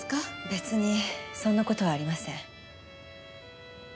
別にそんな事はありません。